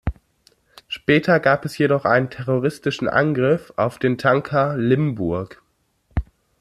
Später gab es jedoch einen terroristischen Angriff auf den Tanker „Limburg“.